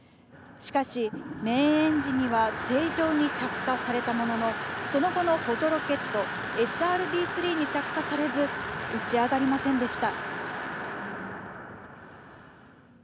しかしメーンエンジンには正常に着火されたものの、その後の補助ロケット「ＳＲＢ−３」に着火されず、打ち上がりませんでした。